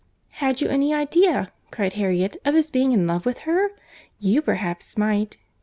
"Had you any idea," cried Harriet, "of his being in love with her?—You, perhaps, might.